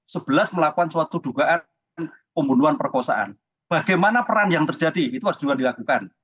sebelas melakukan suatu dugaan pembunuhan perkosaan bagaimana peran yang terjadi itu harus juga dilakukan